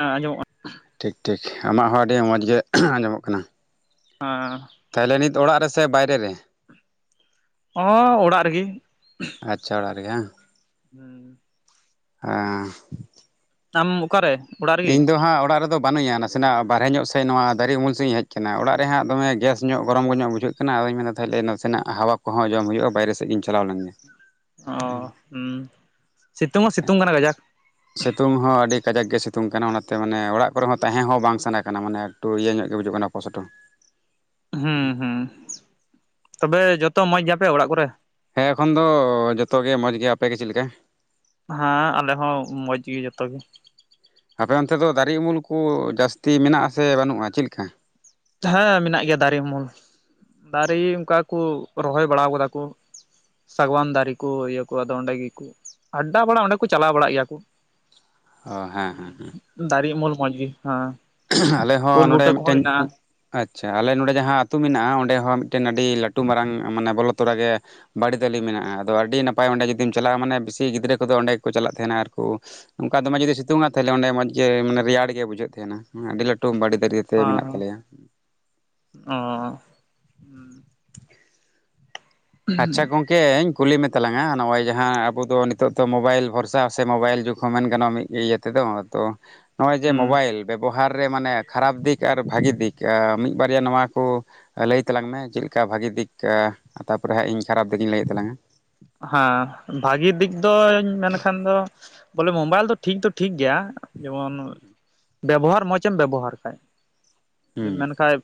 ᱟᱸ ᱟᱸᱡᱚᱢᱚᱜ-ᱟ ᱴᱷᱮᱠ ᱴᱷᱮᱠ ᱟᱢᱟᱜ ᱦᱚᱸ ᱟᱹᱰᱤ ᱢᱚᱸᱡᱽ ᱜᱮ ᱟᱸᱡᱚᱢᱚᱜ ᱠᱟᱱᱟ᱾ ᱟᱸᱻ ᱛᱟᱦᱚᱞᱮ ᱱᱤᱛ ᱚᱲᱟᱜ ᱨᱮᱥᱮ ᱵᱟᱭᱨᱮ ᱨᱮ? ᱦᱚᱸ ᱚᱲᱟᱜ ᱨᱮᱜᱮ ᱟᱪᱪᱷᱟ ᱚᱲᱟᱜ ᱨᱮᱜᱮ ᱵᱟᱝ [unintelligible] ᱟᱸᱻ ᱟᱢ ᱚᱠᱟᱨᱮ? ᱚᱲᱟᱜ ᱨᱮᱜᱮ ᱤᱧ ᱫᱚ ᱦᱟᱸᱜ ᱚᱲᱟᱜ ᱨᱮᱫᱚ ᱵᱟᱹᱱᱩᱧᱟ᱾ ᱱᱟᱥ ᱥᱮᱱᱟᱜ ᱵᱟᱨᱦᱮ ᱧᱚᱜ ᱥᱮᱡ ᱱᱚᱣᱟ ᱫᱟᱨᱮ ᱩᱢᱩᱞ ᱥᱮᱫ ᱤᱧ ᱦᱮᱡ ᱠᱟᱱᱟ᱾ ᱚᱲᱟᱜ ᱨᱮᱦᱟᱜ ᱫᱚᱢᱮ ᱜᱮᱥ ᱧᱚᱜ ᱜᱚᱨᱚᱢ ᱧᱚᱜ ᱵᱩᱡᱟᱹᱜ ᱠᱟᱱᱟ ᱦᱳᱭ ᱢᱮᱱᱫᱟ ᱛᱟᱦᱚᱞᱮ ᱱᱟᱥᱮᱱᱟᱜ ᱦᱟᱣᱟ ᱠᱚᱦᱚᱸ ᱡᱚᱢ ᱦᱩᱭᱩᱜᱼᱟ, ᱵᱟᱭᱨᱮ ᱥᱮᱫ ᱤᱧ ᱪᱟᱞᱟᱣ ᱞᱮᱱ ᱜᱮ᱾ ᱚ ᱦᱩ ᱥᱤᱛᱩᱝ ᱦᱚᱸ ᱥᱤᱛᱩᱝ ᱠᱟᱱᱟ ᱜᱟᱡᱟ ᱥᱤᱛᱩᱝ ᱦᱚᱸ ᱟᱹᱰᱤ ᱠᱟᱡᱟᱠ ᱜᱮ ᱥᱤᱛᱩᱝ ᱠᱟᱱᱟ᱾ ᱚᱱᱟᱛᱮ ᱢᱟᱱᱮ ᱚᱲᱟᱜ ᱠᱚᱨᱮ ᱦᱚᱸ ᱛᱟᱦᱮ ᱦᱚᱸ ᱵᱟᱝ ᱥᱟᱱᱟ ᱠᱟᱱᱟ᱾ ᱢᱟᱱᱮ ᱴᱩ ᱤᱭᱟᱹ ᱧᱚᱜ ᱜᱮ ᱵᱩᱡᱩᱜ ᱠᱟᱱᱟ ᱠᱚᱥᱚᱴᱚ᱾ ᱦᱩᱸ ᱦᱩᱸ ᱛᱚᱵᱮ ᱡᱚᱛᱚ ᱢᱚᱸᱡᱽ ᱜᱮᱭᱟᱯᱮ ᱚᱲᱟᱜ ᱠᱚᱨᱮ? ᱦᱮᱸ ᱮᱠᱷᱚᱱ ᱫᱚ ᱡᱚᱛᱚᱜᱮ ᱢᱚᱡᱽ ᱜᱮᱭᱟ᱾ ᱟᱯᱮ ᱜᱮ ᱪᱮᱫ ᱞᱮᱠᱟ? ᱦᱮᱸ ᱟᱞᱮ ᱦᱚᱸ ᱢᱚᱡᱽ ᱜᱮ ᱡᱚᱛᱚ ᱜᱮ᱾ ᱟᱯᱮ ᱚᱱᱛᱮ ᱫᱚ ᱫᱟᱨᱮ ᱩᱢᱩᱞ ᱠᱚ ᱡᱟᱹᱥᱛᱤ ᱢᱮᱱᱟᱜ ᱥᱮ ᱵᱟᱹᱱᱩᱜᱼᱟ ᱪᱮᱫ ᱞᱮᱠᱟ? ᱡᱟ ᱦᱮᱸ ᱢᱮᱱᱟᱜ ᱜᱮᱭᱟ ᱫᱟᱨᱮ ᱩᱢᱩᱞ ᱫᱟᱨᱮ ᱚᱱᱠᱟ ᱠᱚ ᱨᱚᱦᱚᱭ ᱵᱟᱲᱟ ᱠᱟᱫᱟ ᱠᱚ ᱥᱟᱜᱟᱣᱟᱱ ᱫᱟᱨᱮ ᱠᱚ ᱤᱭᱟᱹ ᱠᱚ ᱟᱫᱚ ᱚᱰᱮ ᱜᱮ ᱠᱚ ᱟᱰᱰᱟ ᱵᱟᱲᱟ ᱚᱸᱰᱮ ᱠᱚ ᱪᱟᱞᱟᱣ ᱵᱟᱲᱟᱜ ᱜᱮᱭᱟ ᱠᱚ᱾ ᱚ ᱦᱮᱸ ᱦᱮᱸ ᱦᱮᱸ ᱫᱟᱨᱮ ᱩᱢᱩᱞ ᱢᱚᱸᱡᱽ ᱜᱮ ᱦᱮᱸ᱾ ᱟᱞᱮ ᱦᱚᱸ ᱩᱞ ᱱᱚᱸᱰᱮ ᱵᱩᱴᱟᱹ ᱠᱚᱦᱚᱸ ᱢᱤᱫᱴᱮᱱ ᱢᱮᱱᱟᱜᱼᱟ ᱟᱪᱪᱷᱟ ᱟᱞᱮ ᱱᱚᱰᱮ ᱡᱟᱦᱟᱸ ᱟᱹᱛᱩ ᱢᱮᱱᱟᱜᱼᱟ᱾ ᱚᱸᱰᱮ ᱦᱚᱸ ᱢᱤᱫ ᱢᱤᱫᱴᱮᱱ ᱟᱹᱰᱤ ᱞᱟᱹᱴᱩ ᱢᱟᱨᱟᱝ ᱢᱟᱱᱮ ᱵᱚᱞᱚ ᱛᱚᱨᱟ ᱜᱮ ᱵᱟᱹᱲᱤ ᱫᱟᱹᱞᱤ ᱢᱮᱱᱟᱜᱼᱟ᱾ᱟᱫᱚ ᱟᱹᱰᱤ ᱱᱟᱯᱟᱭ ᱚᱸᱰᱮ ᱡᱩᱫᱤᱢ ᱪᱟᱞᱟᱜᱼᱟ᱾ ᱢᱟᱱᱮ ᱵᱮᱥᱤ ᱜᱤᱫᱽᱨᱟᱹ ᱠᱚᱫᱚ ᱚᱸᱰᱮ ᱜᱮᱠᱚ ᱪᱟᱞᱟᱜ ᱛᱟᱦᱮᱱᱟ ᱟᱨᱠᱚ ᱚᱱᱠᱟ ᱫᱚᱢ ᱡᱩᱫᱤ ᱥᱤᱛᱩᱝᱼᱟ᱾ᱛᱟᱦᱚᱞᱮ ᱚᱸᱰᱮ ᱢᱚᱡ ᱜᱮ ᱢᱟᱱᱮ ᱨᱮᱭᱟᱲ ᱜᱮ ᱵᱩᱡᱷᱟᱹᱜ ᱛᱟᱦᱮᱱᱟ᱾ᱟᱹᱰᱤ ᱞᱟᱹᱴᱩ ᱵᱟᱹᱲᱤ ᱫᱟᱲᱤ ᱦᱚᱸ ᱚ ᱟᱪᱪᱷᱟ ᱜᱚᱝᱠᱮᱧ ᱠᱩᱞᱤ ᱢᱮᱛᱟᱞᱟᱝᱟ ᱱᱚᱜᱼᱚᱭ, ᱡᱟᱦᱟ ᱟᱵᱚᱫᱚ ᱱᱤᱛᱚᱜ ᱫᱚ ᱢᱳᱵᱟᱭᱤᱞ ᱵᱷᱚᱨᱥᱟ ᱥᱮ ᱢᱳᱵᱟᱭᱤᱞ ᱡᱩᱜᱽ ᱦᱚ ᱢᱮᱱ ᱜᱟᱱᱚᱜᱼᱟ᱾ ᱢᱤᱫ ᱤᱭᱟᱹ ᱛᱮᱫᱚ ᱛᱚ ᱱᱚᱜᱼᱚᱭ ᱡᱮ ᱦᱩᱸ ᱢᱚᱵᱟᱭᱤᱞ ᱵᱮᱵᱚᱦᱟᱨ ᱨᱮ ᱢᱟᱱᱮ ᱠᱷᱟᱨᱟᱯ ᱫᱤᱠ ᱟᱨ ᱵᱷᱟᱹᱜᱤ ᱫᱤᱠ ᱢᱤᱫ ᱵᱟᱨᱭᱟ ᱱᱚᱣᱟ ᱠᱚ ᱞᱟᱹᱭ ᱛᱟᱞᱟᱝ ᱢᱮ ᱪᱮᱫ ᱞᱮᱠᱟ ᱵᱷᱟᱹᱜᱤ ᱫᱤᱠ ᱛᱟᱯᱚᱨᱮ ᱦᱟᱸᱜ ᱤᱧ ᱠᱷᱟᱨᱟᱯ ᱫᱤᱠ ᱤᱧ ᱞᱟᱹᱭᱮᱫ ᱛᱟᱞᱟᱝ-ᱟ ᱦᱮᱸ ᱵᱷᱟᱜᱤ ᱫᱤᱠ ᱫᱚᱧ ᱢᱮᱱᱠᱷᱟᱱ ᱫᱚ ᱵᱚᱞᱮ ᱢᱳᱵᱟᱭᱤᱞ ᱫᱚ ᱴᱷᱤᱠ ᱫᱚ ᱴᱷᱤᱠ ᱜᱮᱭᱟ ᱡᱮᱢᱚᱱ ᱵᱮᱵᱚᱦᱟᱨ ᱢᱚᱡ ᱮᱢ ᱵᱮᱵᱚᱦᱟᱨ ᱠᱷᱟᱡ ᱦᱩᱸ ᱢᱮᱱ ᱠᱷᱟᱡ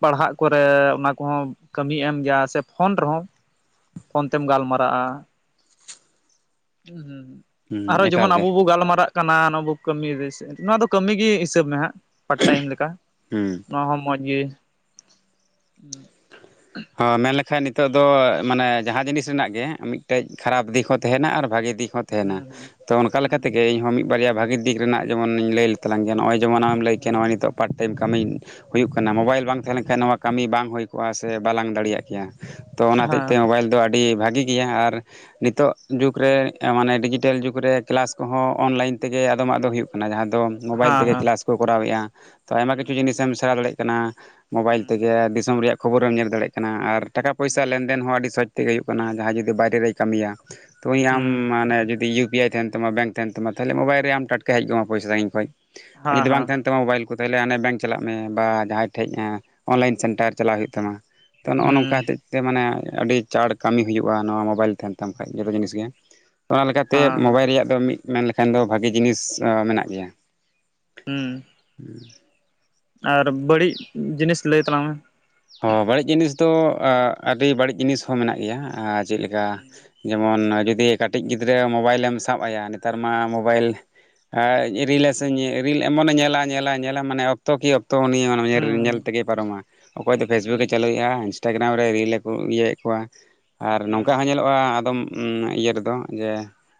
ᱯᱟᱲᱦᱟᱜ ᱠᱚᱨᱮ ᱚᱱᱟ ᱠᱚᱦᱚᱸ ᱠᱟᱹᱢᱤᱭ ᱮᱢ ᱜᱮᱭᱟ᱾ ᱥᱮ ᱯᱷᱳᱱ ᱨᱮᱦᱚᱸ ᱯᱷᱳᱱ ᱛᱮᱢ ᱜᱟᱞᱢᱟᱨ ᱟ ᱦᱩᱸ ᱟᱨᱚ ᱮᱠᱟᱞ ᱡᱮᱢᱚᱱ ᱜᱮ ᱟᱵᱚ ᱵᱚᱱ ᱜᱟᱞᱢᱟᱨᱟᱜ ᱠᱟᱱᱟ ᱱᱚᱣᱟ ᱵᱩ ᱠᱟᱹᱢᱤ ᱱᱚᱣᱟ ᱫᱚ ᱠᱟᱹᱢᱤ ᱜᱮ ᱦᱤᱥᱟᱹᱵ ᱢᱮ ᱦᱟᱸᱜ ᱯᱟᱨᱴ ᱴᱟᱭᱤᱢ ᱞᱮᱠᱟ᱾ ᱦᱩᱸ ᱱᱚᱣᱟ ᱦᱚᱸ ᱢᱚᱸᱡᱽ ᱜᱮ ᱦᱚᱸ ᱢᱮᱱ ᱞᱮᱠᱷᱟᱡ ᱱᱤᱛᱚᱜ ᱫᱚ ᱢᱟᱱᱮ ᱡᱟᱦᱟ ᱡᱤᱱᱤᱥ ᱨᱮᱱᱟᱜ ᱜᱮ ᱢᱤᱫᱴᱮᱡ ᱠᱷᱟᱨᱟᱯ ᱫᱤᱠ ᱦᱚ ᱛᱟᱦᱮᱱᱟ ᱟᱨ ᱵᱷᱟᱹᱜᱤ ᱫᱤᱠ ᱦᱚ ᱛᱟᱦᱮᱱᱟ ᱦᱩᱸ ᱛᱚ ᱚᱱᱠᱟ ᱦᱩᱸ ᱞᱮᱠᱟᱛᱮᱜᱮ ᱤᱧᱦᱚᱸ ᱢᱤᱫ ᱵᱟᱨᱭᱟ ᱵᱷᱟᱹᱜᱤ ᱫᱤᱠ ᱨᱮᱱᱟᱜ ᱡᱮᱢᱚᱱᱤᱧ ᱞᱟᱹᱭ ᱞᱮᱛᱟᱞᱟᱝ ᱜᱮ ᱱᱚᱜᱼᱚᱭ ᱡᱮᱢᱚᱱ ᱟ ᱞᱟᱹᱭ ᱠᱮᱜᱟ ᱦᱩᱸ ᱱᱚᱜᱚᱭ ᱱᱤᱛᱚᱜ ᱯᱟᱨᱴ ᱴᱟᱭᱤᱢ ᱠᱟᱹᱢᱤ ᱦᱩᱭᱩᱜ ᱠᱟᱱᱟ᱾ ᱢᱳᱵᱟᱭᱤᱞ ᱦᱩᱸ ᱵᱟᱝ ᱛᱟᱦᱮ ᱞᱮᱱ ᱠᱷᱟᱱ ᱱᱚᱣᱟ ᱠᱟᱹᱢᱤ ᱵᱟᱝ ᱦᱩᱭ ᱠᱚᱜᱼᱟ ᱥᱮ ᱵᱟᱞᱟᱝ ᱫᱟᱲᱮᱭᱟᱜ ᱠᱮᱭᱟ ᱛᱚ᱾ ᱚᱱᱟ ᱦᱮᱸ ᱦᱚᱛᱮᱡᱛᱮ ᱢᱳᱵᱟᱭᱤᱞ ᱫᱚ ᱟᱹᱰᱤ ᱵᱷᱟᱜᱮ ᱜᱮᱭᱟ ᱟᱨ ᱱᱤᱛᱚᱜ ᱡᱩᱠᱜᱽ ᱨᱮ ᱢᱟᱱᱮ ᱰᱤᱡᱤᱴᱮᱞ ᱡᱩᱠᱜᱽ ᱨᱮ ᱠᱮᱞᱟᱥ ᱠᱚᱦᱚ ᱚᱱᱞᱟᱭᱤᱱ ᱛᱮᱜᱮ, ᱟᱫᱚᱢᱟᱜ ᱫᱚ ᱦᱩᱭᱩᱜ ᱠᱟᱱᱟ᱾ᱡᱟᱦᱟ ᱫᱚ ᱢᱳᱵᱟᱭᱤᱞ ᱦᱮᱸ ᱛᱮᱜᱮ ᱦᱮᱸ ᱠᱮᱞᱟᱥ ᱠᱚ ᱠᱚᱨᱟᱣᱮᱜᱼᱟ᱾ ᱛᱚ ᱟᱭᱢᱟ ᱦᱩᱸ ᱠᱤᱪᱷᱩ ᱡᱤᱱᱤᱥ ᱮᱢ ᱥᱮᱬᱟ ᱫᱟᱲᱮᱭᱟᱜ ᱠᱟᱱᱟ᱾ ᱢᱳᱵᱟᱭᱤᱞ ᱦᱩᱸ ᱛᱮᱜᱮ ᱫᱤᱥᱚᱢ ᱨᱮᱭᱟᱜ ᱠᱷᱚᱵᱚᱨ ᱮᱢ ᱧᱮᱞ ᱫᱟᱲᱮᱭᱟᱜ ᱠᱟᱱᱟ ᱟᱨ ᱴᱟᱠᱟ ᱦᱩᱸ ᱯᱚᱭᱥᱟ ᱞᱮᱱᱫᱮᱱ ᱦᱚ ᱟᱹᱰᱤ ᱥᱚᱪ ᱛᱮᱜᱮ ᱦᱩᱭᱩᱜ ᱠᱟᱱᱟ᱾ ᱡᱟᱦᱟᱸᱭ ᱡᱩᱫᱤ ᱵᱟᱭᱨᱮ ᱨᱮᱭ ᱠᱟᱹᱢᱤᱭᱟ ᱩᱱᱤᱟᱢ ᱦᱮᱸ ᱢᱟᱱᱮ ᱡᱩᱫᱤ ᱤᱭᱩ ᱯᱤᱭᱟᱭ ᱛᱟᱦᱮᱱ ᱛᱟᱢᱟ ᱵᱮᱝᱠ ᱛᱟᱦᱮ ᱛᱟᱢᱟ ᱛᱟᱦᱚᱞᱮ ᱢᱚᱵᱟᱭᱤᱞ ᱨᱮ ᱟᱢ ᱴᱟᱴᱠᱟ ᱦᱮᱡ ᱜᱚ ᱟᱢᱟ ᱯᱚᱭᱥᱟ ᱥᱟᱜᱤᱧ ᱠᱷᱚᱱ ᱟᱨ ᱡᱩᱫᱤ ᱵᱟᱝ ᱦᱮᱸ ᱛᱟᱦᱮᱱ ᱛᱚ ᱢᱳᱵᱟᱭᱤᱞ ᱠᱚ ᱛᱟᱦᱚᱞᱮ ᱦᱟᱱᱮ ᱵᱮᱝᱠ ᱪᱟᱞᱟᱜ ᱢᱮ ᱵᱟ ᱡᱟᱦᱟᱸᱭ ᱴᱷᱮᱡ ᱮ ᱚᱱᱞᱟᱭᱤᱱ ᱥᱮᱱᱴᱟᱨ ᱪᱟᱞᱟᱜ ᱦᱩᱭᱩᱜ ᱛᱟᱢᱟ᱾ ᱛᱚ ᱦᱩᱸ ᱱᱚᱜᱼᱚ ᱦᱮᱸ ᱱᱚᱝᱠᱟ ᱦᱚᱛᱮᱡ ᱛᱮ ᱢᱟᱱᱮ ᱟᱹᱰᱤ ᱪᱟᱲ ᱠᱟᱹᱢᱤ ᱦᱩᱭᱩᱜᱼᱟ᱾ᱱᱚᱣᱟ ᱢᱳᱵᱟᱭᱤᱞ ᱛᱟᱦᱮᱱ ᱛᱟᱢ ᱠᱷᱟᱡ ᱡᱚᱛᱚ ᱡᱤᱱᱤᱥ ᱜᱮ᱾ ᱚᱱᱟ ᱞᱮᱠᱟᱛᱮ ᱦᱮᱸ ᱢᱳᱵᱟᱭᱤᱞ ᱨᱮᱭᱟᱜ ᱫᱚ ᱢᱤᱫ ᱢᱮᱱ ᱞᱮᱠᱷᱟᱱ ᱫᱚ ᱵᱷᱟᱜᱮ ᱡᱤᱱᱤᱥ ᱢᱮᱱᱟᱜ ᱜᱮᱭᱟ᱾ ᱦᱩᱸ [unintelligible] ᱟᱨ ᱵᱟᱹᱲᱤᱡ ᱡᱤᱱᱤᱥ ᱞᱟᱹᱭ ᱛᱟᱞᱟᱝ ᱢᱮ ᱚ ᱵᱟᱹᱲᱤᱡ ᱡᱤᱱᱤᱥ ᱫᱚ ᱟᱹᱰᱤ ᱵᱟᱹᱲᱤᱡ ᱡᱤᱱᱤᱥ ᱦᱚᱸ ᱢᱮᱱᱟᱜ ᱜᱮᱭᱟ᱾ᱪᱮᱫ ᱞᱮᱠᱟ ᱡᱮᱢᱚᱱ ᱡᱩᱫᱤ ᱠᱟᱹᱴᱤᱡ ᱜᱤᱫᱽᱨᱟᱹ ᱢᱳᱵᱟᱭᱤᱞᱮᱢ ᱥᱟᱵ ᱟᱭᱟ ᱱᱮᱛᱟᱨ ᱢᱟ ᱢᱳᱵᱟᱭᱤᱞ ᱨᱤᱞᱥ ᱨᱤᱞ ᱮᱢᱚᱱᱮ ᱧᱮᱞᱟ ᱧᱮᱞᱟ ᱧᱮᱞᱟᱢ ᱢᱟᱱᱮ ᱚᱠᱛᱚ ᱠᱤ ᱚᱠᱛᱚ ᱩᱱᱤᱭ ᱧᱮᱞ ᱦᱩᱸ ᱛᱮᱜᱮ ᱯᱟᱨᱚᱢᱟ, ᱚᱠᱚᱭ ᱫᱚ ᱯᱷᱮᱥᱵᱩᱠᱮ ᱪᱟᱹᱞᱩᱭᱮᱫᱼᱟ᱾ ᱤᱱᱥᱴᱟᱜᱨᱟᱢ ᱨᱮ ᱨᱤᱞᱮᱠᱚ ᱤᱭᱟᱹᱮᱫ ᱠᱚᱣᱟ᱾ ᱟᱨ ᱱᱚᱝᱠᱟ ᱦᱩᱸ ᱦᱚᱸ ᱧᱮᱞᱚᱜ-ᱟ ᱟᱫᱚᱢ ᱤᱭᱟᱹ ᱨᱮᱫᱚ ᱡᱮ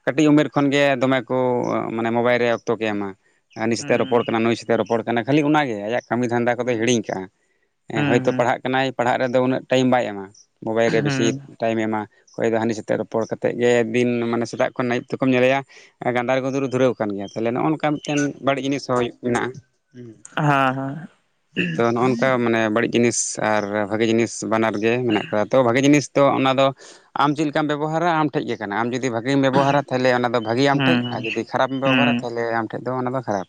ᱠᱟᱹᱴᱤᱡ ᱩᱢᱮᱨ ᱠᱷᱚᱱ ᱜᱮ ᱫᱚᱢᱮ ᱠᱚ ᱢᱟᱱᱮ ᱢᱳᱵᱟᱭᱤᱞ ᱨᱮ ᱚᱠᱛᱚ ᱮᱢᱟ ᱦᱟᱱᱤ ᱥᱟᱛᱮᱜ ᱮ ᱦᱩᱸ ᱨᱚᱯᱚᱲ ᱠᱟᱱᱟ ᱱᱩᱭ ᱥᱟᱛᱮᱜ ᱮ ᱨᱚᱯᱚᱲ ᱠᱟᱱᱟ ᱾ᱠᱷᱟᱹᱞᱤ ᱚᱱᱟ ᱜᱮ ᱟᱭᱟᱜ ᱠᱟᱹᱢᱤ ᱫᱷᱟᱱᱫᱟ ᱠᱚᱫᱚᱭ ᱦᱩᱸ ᱦᱤᱲᱤᱧ ᱠᱟᱜ-ᱟ᱾ ᱦᱮᱸ ᱦᱩᱸ ᱦᱳᱭᱛᱚ ᱦᱩᱸ ᱯᱟᱲᱦᱟᱜ ᱠᱟᱱᱟᱭ ᱯᱟᱲᱦᱟᱜ ᱨᱮᱫᱚ ᱩᱱᱟᱹᱜ ᱴᱟᱭᱤᱢ ᱵᱟᱭ ᱮᱢᱟ, ᱢᱳᱵᱟᱭᱤᱞ ᱨᱮ ᱵᱮᱥᱤ ᱦᱩᱸ ᱴᱟᱭᱤᱢ ᱮᱢᱟ ᱚᱠᱚᱭ ᱫᱚ ᱦᱟᱹᱱᱤ ᱥᱟᱣᱛᱮ ᱨᱚᱯᱚᱲ ᱠᱟᱛᱮᱫ ᱜᱮ ᱫᱤᱱ ᱢᱟᱱᱮ ᱥᱮᱛᱟᱜ ᱠᱷᱚᱱ ᱟᱹᱭᱩᱵ ᱛᱮᱠᱚᱢ ᱧᱮᱞᱮᱭᱟ ᱜᱟᱸᱫᱟᱨ ᱜᱩᱸᱫᱩᱨ ᱫᱷᱩᱨᱟᱹᱣ ᱠᱟᱱ ᱜᱮᱭᱟ᱾ ᱛᱟᱦᱚᱞᱮ ᱱᱚᱜ-ᱚ ᱱᱚᱝᱠᱟ ᱢᱤᱫᱴᱮᱱ ᱵᱟᱹᱲᱤᱡ ᱡᱤᱱᱤᱥ ᱦᱚᱸ ᱢᱮᱱᱟᱜ-ᱟ᱾ ᱦᱮᱸ ᱛᱚ ᱱᱚᱜ ᱱᱚᱝᱠᱟ ᱢᱟᱱᱮ ᱵᱟᱹᱲᱤᱡ ᱡᱤᱱᱤᱥ ᱟᱨ ᱵᱷᱟᱜᱮ ᱡᱤᱱᱤᱥ ᱵᱟᱱᱟᱨᱜ ᱜᱮ ᱢᱮᱱᱟᱜ ᱟᱠᱟᱫ ᱛᱚ ᱵᱷᱟᱹᱜᱤ ᱡᱤᱱᱤᱥ ᱛᱚ ᱚᱱᱟ ᱫᱚ ᱟᱢ ᱪᱮᱫ ᱞᱮᱠᱟᱢ ᱵᱮᱵᱚᱦᱟᱨᱟ ᱟᱢ ᱴᱷᱮᱡ ᱜᱮ ᱠᱟᱱᱟ᱾ ᱟᱢ ᱡᱩᱫᱤ ᱵᱷᱟᱹ ᱤᱢ ᱵᱮᱵᱚᱦᱟᱨᱟ ᱛᱟᱦᱚᱞᱮ ᱚᱱᱟ ᱫᱚ ᱵᱷᱟᱹᱜᱤ ᱟᱢ ᱴᱷᱮᱡ ᱟᱨ ᱡᱩᱫᱤ ᱠᱷᱟᱨᱟᱯ ᱮᱢ ᱵᱮᱵᱚᱦᱟᱨᱟ ᱛᱟᱦᱚᱞᱮ ᱟᱢ ᱴᱷᱮᱡ ᱫᱚ ᱚᱱᱟ ᱫᱚ ᱠᱷᱟᱨᱟᱯ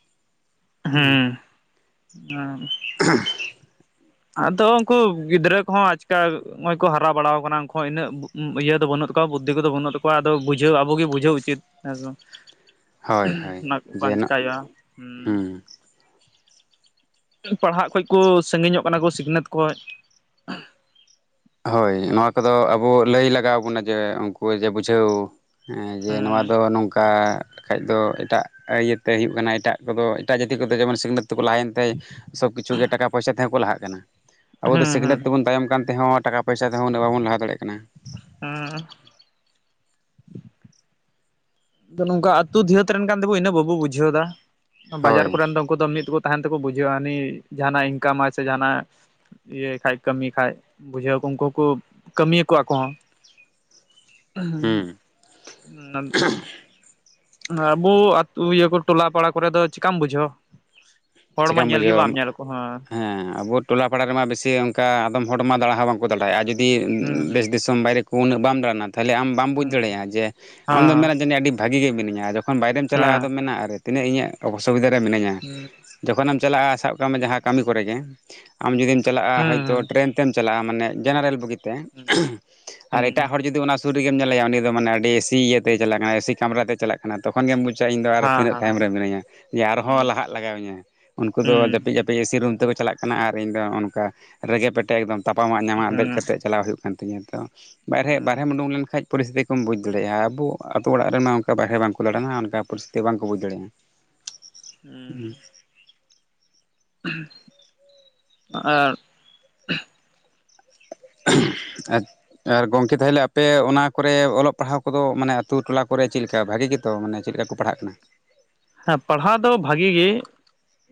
ᱦᱮᱸ ᱟᱫᱚ ᱩᱱᱠᱩ ᱜᱤᱫᱽᱨᱟᱹ ᱠᱚᱦᱚᱸ ᱟᱪᱠᱟ ᱱᱚᱜᱚᱭ ᱠᱚ ᱦᱟᱨᱟ ᱵᱟᱲᱟᱣ ᱠᱟᱱᱟ᱾ ᱩᱱᱠᱩ ᱤᱱᱟᱹᱜ ᱤᱭᱟᱹ ᱫᱚ ᱵᱟᱹᱱᱩᱜ ᱛᱟᱠᱚᱣᱟ ᱵᱩᱫᱽᱫᱷᱤ ᱠᱚᱫᱚ ᱵᱟᱹᱱᱩᱜ ᱛᱟᱠᱚᱣᱟ᱾ ᱟᱫᱚ ᱵᱩᱡᱷᱟᱹᱣ ᱟᱵᱚᱜ ᱜᱮ ᱵᱩᱡᱷᱟᱹᱣ ᱩᱪᱤᱛ ᱦᱳᱭ ᱦᱳᱭ ᱚᱱᱟ ᱠᱚ ᱡᱮ ᱵᱟᱝ ᱱᱚᱜ ᱪᱤᱠᱟᱭ ᱦᱩᱭᱩᱜᱼᱟ ᱦᱩᱸ ᱯᱟᱲᱦᱟᱜ ᱠᱷᱚᱡᱽ ᱠᱚ ᱥᱟᱺᱜᱤᱧᱚᱜ ᱠᱟᱱᱟ ᱠᱚ ᱥᱤᱠᱷᱱᱟᱹᱛ ᱠᱷᱚᱡᱽ ᱦᱳᱭ ᱦᱩᱸ ᱱᱚᱣᱟ ᱠᱚᱫᱚ ᱟᱵᱚ ᱞᱟᱹᱭ ᱞᱟᱜᱟᱣ ᱵᱚᱱᱟ ᱡᱮ ᱩᱱᱠᱩ ᱡᱮ ᱵᱩᱡᱷᱟᱹᱣ ᱦᱮᱸ ᱡᱮ ᱦᱩᱸ ᱱᱚᱣᱟ ᱫᱚ ᱱᱚᱝᱠᱟ ᱠᱷᱟᱡ ᱫᱚ ᱮᱴᱟᱜ ᱤᱭᱟᱹᱛᱮ ᱦᱩᱭᱩᱜ ᱠᱟᱱᱟ ᱮᱴᱟᱜ ᱠᱚᱫᱚ ᱮᱴᱟᱜ ᱡᱟᱹᱛᱤ ᱠᱚᱫᱚ ᱡᱮᱢᱚᱱ ᱥᱤᱠᱷᱱᱟᱹᱛ ᱛᱮᱠᱚ ᱞᱟᱦᱟᱭᱮᱱ ᱛᱮ ᱥᱚᱵ ᱠᱤᱪᱷᱩ ᱜᱮ ᱴᱟᱠᱟ ᱯᱚᱭᱥᱟ ᱛᱮᱦᱚᱸ ᱠᱚ ᱞᱟᱦᱟᱜ ᱠᱟᱱᱟ ᱾ ᱟᱵᱚ ᱫᱚ ᱦᱩᱸ ᱦᱩᱸ ᱥᱤᱠᱷᱱᱟᱹᱛ ᱛᱮᱵᱚᱱ ᱛᱟᱭᱚᱢ ᱠᱟᱱ ᱛᱮᱦᱚᱸ, ᱴᱟᱠᱟ ᱯᱚᱭᱥᱟ ᱛᱮᱦᱚᱸ ᱩᱱᱟᱹᱜ ᱵᱟᱵᱚᱱ ᱞᱟᱦᱟ ᱫᱟᱲᱮᱭᱟᱜ ᱠᱟᱱᱟ ᱾ ᱦᱩᱸ ᱾ ᱟᱫᱚ ᱱᱚᱝᱠᱟ ᱟᱹᱛᱩ ᱫᱷᱟᱹᱛ ᱨᱮᱱ ᱠᱟᱱ ᱛᱮᱵᱚ ᱤᱱᱟᱹᱜ ᱵᱟᱵᱚ ᱵᱩᱡᱷᱟᱹᱣ ᱮᱫᱟ ᱾ ᱵᱟᱡᱟᱨ ᱦᱳᱭ ᱠᱚᱨᱮᱱ ᱫᱚ ᱩᱱᱠᱩ ᱫᱚ ᱢᱤᱫ ᱫᱚ ᱛᱟᱦᱮᱱ ᱛᱮᱠᱚ ᱵᱩᱡᱷᱟᱣᱟ ᱡᱟᱦᱟᱱᱟᱜ ᱤᱱᱠᱟᱢ ᱟᱭ ᱥᱮ ᱡᱟᱦᱱᱟᱜ ᱤᱭᱟᱹ ᱠᱷᱟᱡᱽ ᱠᱟᱹᱢᱤ ᱠᱷᱟᱡᱽ ᱵᱩᱡᱷᱟᱹᱣ ᱟᱠᱚ ᱩᱱᱠᱩ ᱦᱚᱠᱚ ᱠᱟᱹᱢᱤᱭᱟᱠᱚ ᱟᱠᱚᱦᱚᱸ [inaudible] [unintelligible] ᱟᱵᱚ ᱟᱹᱛᱩ ᱤᱭᱟᱹ ᱠᱚ ᱴᱚᱞᱟ ᱯᱟᱲᱟ ᱠᱚᱨᱮ ᱫᱚ ᱪᱮᱠᱟᱢ ᱵᱩᱡᱷᱟᱹᱣᱟ? ᱪᱮᱠᱟᱢ ᱵᱩᱡᱷᱟᱹᱣᱟ ᱦᱮᱸ ᱟᱵᱚ ᱴᱚᱞᱟ ᱯᱟᱲᱟ ᱨᱮᱢᱟ ᱵᱮᱥᱤ ᱚᱱᱠᱟ ᱟᱫᱚᱢ ᱦᱚᱲᱢᱟ ᱫᱟᱬᱟ ᱦᱚᱸ ᱵᱟᱝᱠᱚ ᱫᱟᱲᱟᱭᱼᱟ ᱡᱩᱫᱤ ᱦᱩᱸ ᱵᱮᱥ ᱵᱮᱥ ᱛᱚᱢ ᱵᱟᱭᱨᱮ ᱩᱱᱟᱹᱜ ᱵᱟᱢ ᱫᱟᱲᱟᱱᱟ ᱛᱟᱦᱚᱞᱮ ᱟᱢ ᱵᱟᱢ ᱵᱩᱡᱽ ᱦᱩᱸ ᱦᱩᱸ ᱫᱟᱲᱮᱭᱟᱜ-ᱟ ᱡᱮ ᱟᱢ ᱢᱮᱱᱟ ᱦᱮᱸ ᱡᱟᱹᱱᱤᱡ ᱟᱹᱰᱤ ᱵᱷᱟᱹᱜᱤ ᱜᱮ ᱢᱤᱱᱟᱹᱧᱟ ᱡᱚᱠᱷᱚᱱ ᱵᱟᱭᱨᱮᱢ ᱪᱟᱞᱟᱜ ᱦᱮᱸ ᱦᱩᱸ ᱦᱩᱸ ᱦᱩᱸ ᱟᱫᱚᱢ ᱢᱮᱱᱟᱜᱼᱟ ᱟᱨ ᱛᱤᱱᱟᱹᱜ ᱤᱧᱟᱹᱜ ᱚᱥᱩᱵᱤᱫᱟ ᱨᱮ ᱢᱤᱱᱟᱧᱟ ᱾ ᱦᱮᱸ ᱾ ᱡᱚᱠᱷᱚᱱ ᱮᱢ ᱪᱟᱞᱟᱜᱼᱟ ᱥᱟᱵ ᱠᱟᱜ ᱢᱮ ᱡᱟᱦᱟᱸ ᱠᱟᱹᱢᱤ ᱠᱚᱨᱮ ᱜᱮ ᱟᱢ ᱡᱩᱫᱤᱢ ᱪᱟᱞᱟᱜᱼᱟ ᱦᱳᱭᱛᱚ ᱴᱨᱮᱱ ᱛᱮᱢ ᱪᱟᱞᱟᱜᱼᱟ ᱢᱟᱱᱮ ᱡᱮᱱᱟᱨᱮᱞ ᱵᱩᱜᱤᱛᱮ ᱦᱮᱸ ᱦᱮᱸ ᱦᱩᱸ ᱟᱨ ᱦᱩᱸ ᱮᱴᱟᱜ ᱦᱚᱲ ᱡᱩᱫᱤ ᱚᱱᱟ ᱥᱩᱨ ᱨᱮᱜᱮᱢ ᱧᱮᱞᱮᱭᱟ ᱩᱱᱤ ᱫᱚ ᱢᱟᱱᱮ ᱟᱹᱰᱤ ᱮᱥᱤ ᱤᱭᱟᱹᱛᱮ ᱪᱟᱞᱟᱜ ᱠᱟᱱᱟ ᱮᱥᱤ ᱠᱟᱢᱨᱟᱛᱮ ᱪᱟᱞᱟᱜ ᱠᱟᱱᱟ ᱛᱚᱠᱷᱚᱱ ᱜᱮᱢ ᱵᱩᱡᱟ ᱤᱧ ᱫᱚ ᱟᱨ ᱛᱤᱱᱟᱹᱜ ᱛᱟᱭᱚᱢ ᱨᱮ ᱢᱤᱱᱟᱹᱧᱟ ᱡᱮ ᱟᱨᱦᱚᱸ ᱞᱟᱦᱟᱜ ᱞᱟᱜᱟᱣᱤᱧᱟᱹ ᱩᱱᱠᱩ ᱫᱚ ᱡᱟᱹᱯᱤᱫ ᱡᱟᱹᱯᱤᱫ ᱮᱥᱤ ᱨᱩᱢ ᱛᱮᱠᱚ ᱪᱟᱞᱟᱜ ᱠᱟᱱᱟ ᱟᱨ ᱤᱧ ᱫᱚ ᱚᱱᱠᱟ ᱨᱮᱸᱜᱮ ᱯᱮᱸᱴᱮ ᱮᱠᱫᱚᱢ ᱛᱟᱯᱟᱢᱟᱜ ᱧᱟᱢᱟᱜ ᱫᱮᱡ ᱠᱟᱛᱮᱫ ᱪᱟᱞᱟᱣ ᱦᱩᱭᱩᱜ ᱠᱟᱱ ᱛᱤᱧᱟᱹ ᱛᱚ ᱵᱟᱨᱦᱮ ᱵᱟᱨᱦᱮᱢ ᱩᱰᱩᱝ ᱞᱮᱱ ᱠᱷᱟᱱ ᱯᱚᱨᱤᱥᱛᱤᱛᱤ ᱠᱚᱢ ᱵᱩᱡᱽ ᱫᱟᱲᱮᱭᱟᱜ-ᱟ ᱟᱵᱚ ᱟᱛᱳ ᱚᱲᱟᱜ ᱨᱮᱢᱟ ᱚᱱᱠᱟ ᱵᱟᱦᱨᱮ ᱵᱟᱝᱠᱚ ᱫᱟᱬᱟᱱᱟ ᱚᱱᱠᱟ ᱯᱚᱨᱤᱥᱛᱤᱛᱤ ᱵᱟᱝ ᱠᱚ ᱵᱩᱡᱽ ᱫᱟᱲᱮᱭᱟᱜᱼᱟ ᱾ ᱦᱩᱸ ᱾ ᱟᱨ ᱟᱨ ᱟᱨ ᱜᱚᱢᱠᱮ ᱛᱟᱦᱚᱞᱮ ᱟᱯᱮ ᱚᱱᱟ ᱠᱚᱨᱮ ᱚᱞᱚᱜ ᱯᱟᱲᱦᱟᱣ ᱠᱚᱫᱚ ᱢᱟᱱᱮ ᱟᱹᱛᱩ ᱴᱚᱞᱟ ᱠᱚᱨᱮ ᱪᱮᱫ ᱞᱮᱠᱟ ᱵᱷᱟᱹᱜᱤ ᱜᱮ ᱛᱚ ᱢᱟᱱᱮ ᱪᱮᱫ ᱞᱮᱠᱟ ᱠᱚ ᱯᱟᱲᱦᱟᱜ ᱠᱟᱱᱟ? ᱦᱮᱸ ᱯᱟᱲᱦᱟᱣ ᱫᱚ ᱵᱷᱟᱹᱜᱤ ᱜᱮ